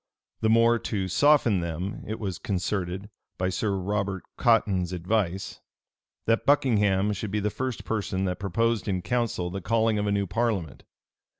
The more to soften them, it was concerted, by Sir Robert Cotton's advice,[*] that Buckingham should be the first person that proposed in council the calling of a new parliament.